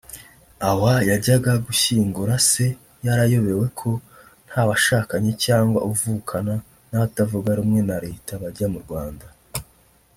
awaaa yajyaga gushyingura se yarayobewe ko ntawashakanye cyangwa uvukana n’abatavugana rumwe na Leta bajya mu Rwanda”